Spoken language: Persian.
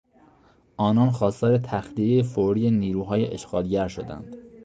آنان خواستار تخلیهی فوری نیروهای اشغالگر شدند.